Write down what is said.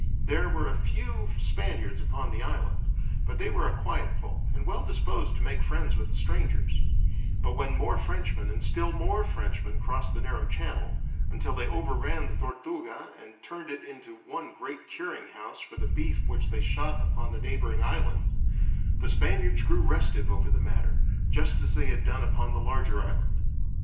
There were a few Spaniards upon the island, but they were a quiet folk, and well disposed to make friends with the strangers; but when more Frenchmen and still more Frenchmen crossed the narrow channel, until they overran the Tortuga and turned it into one great curing house for the beef which they shot upon the neighboring island, the Spaniards grew restive over the matter, just as they had done upon the larger island.